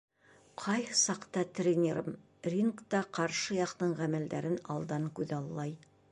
Ҡайһы саҡта тренерым рингта ҡаршы яҡтың ғәмәлдәрен алдан күҙаллай.